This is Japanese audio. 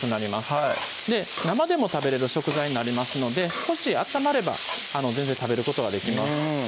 はい生でも食べれる食材になりますので少し温まれば全然食べることはできます